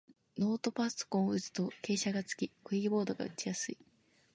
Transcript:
ノートパソコンを開くと傾斜がつき、キーボードが打ちやすい